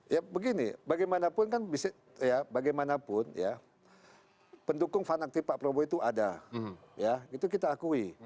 ya begini bagaimanapun kan bisa ya bagaimanapun ya pendukung fanatik pak prabowo itu ada ya itu kita akui